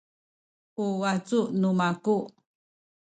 u wacu nu maku